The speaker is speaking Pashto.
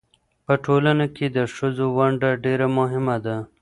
په ټولنه کې د ښځو ونډه ډېره مهمه ده.